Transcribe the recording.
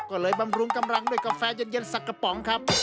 ก็เลยบำรุงกำลังด้วยกาแฟเย็นสักกระป๋องครับ